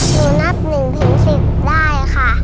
หนูนับหนึ่งถึงสิบได้ค่ะ